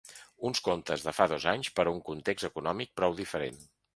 Uns comptes de fa dos anys per a un context econòmic prou diferent.